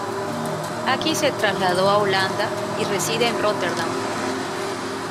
Aki se trasladó a Holanda y reside en Rotterdam.